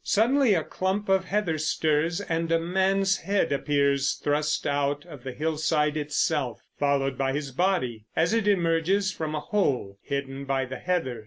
Suddenly a clump of heather stirs, and a man's head appears thrust out of the hillside itself—followed by his body—as it emerges from a hole hidden by the heather.